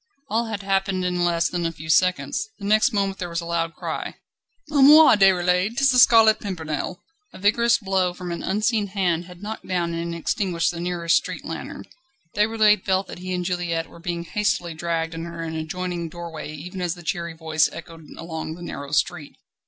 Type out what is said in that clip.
All had happened in less than a few seconds. The next moment there was a loud cry: "A moi, Déroulède! 'tis the Scarlet Pimpernel!" A vigorous blow from an unseen hand had knocked down and extinguished the nearest street lantern. Déroulède felt that he and Juliette were being hastily dragged under an adjoining doorway even as the cheery voice echoed along the narrow street.